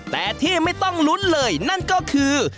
แต่ที่ไม่ต้องลุ้นเลยนั่นก็คือ